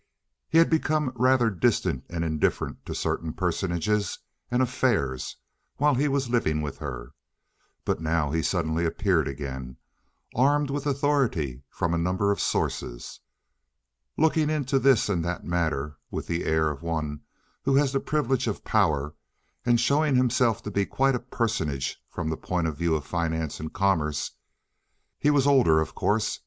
He had become rather distant and indifferent to certain personages and affairs while he was living with her, but now he suddenly appeared again, armed with authority from a number of sources, looking into this and that matter with the air of one who has the privilege of power, and showing himself to be quite a personage from the point of view of finance and commerce. He was older of course.